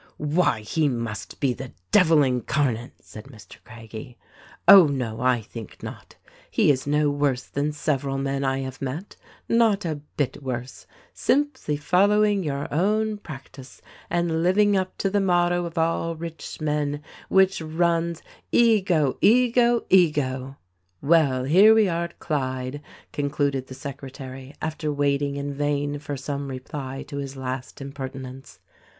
"Why, he must be the devil incarnate," said Mr. Craggie. "Oh, no, I think not ; he is no worse than several men I have met. Not a bit worse. Simply following your own practice, and living up to the motto of all rich men, which runs, 'EGO ! EGO ! EGO !'" "Well, here we are at Clyde," concluded the secretary after waiting in vain for some reply to his last impertinence.